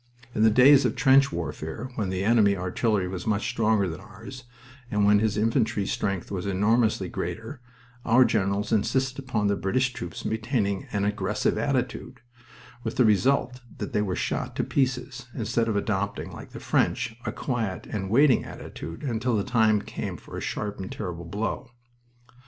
In the days of trench warfare, when the enemy artillery was much stronger than ours, and when his infantry strength was enormously greater, our generals insisted upon the British troops maintaining an "aggressive" attitude, with the result that they were shot to pieces, instead of adopting, like the French, a quiet and waiting attitude until the time came for a sharp and terrible blow.